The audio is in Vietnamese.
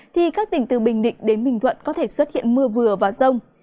thì các tỉnh từ bình định đến bình thuận có thể xuất hiện mưa vừa và rông